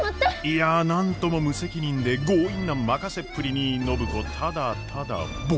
いや何とも無責任で強引な任せっぷりに暢子ただただぼう然。